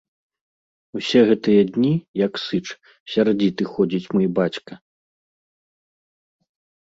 Усе гэтыя дні, як сыч, сярдзіты ходзіць мой бацька.